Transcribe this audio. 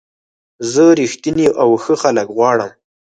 زه رښتیني او ښه خلک غواړم.